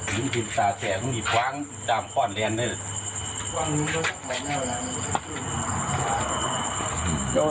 นี่มีตาแสงมีพว้างดามคว่อนเรียนเนิด